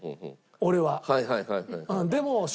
俺は。